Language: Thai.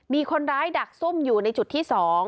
มีคนร้ายดักซุ่มอยู่ในจุดที่๒